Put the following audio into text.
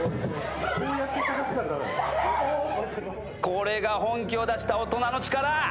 これが本気を出した大人の力。